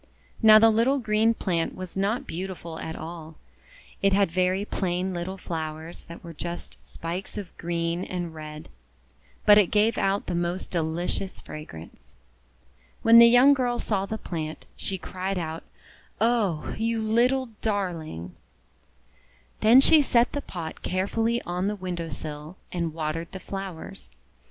Now the little green plant was not beautiful at all. It had very plain little flowers that were just spikes of green and red; but it gave out the most delicious fragrance. When the young girl saw the plant, she cried out: — "Oh, you little darling!" THE MIGNONETTE FAIRY 27 Then she set the pot carefully on the window sill, and watered the flowers.